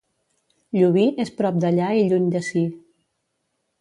Llubí és prop d'allà i lluny d'ací.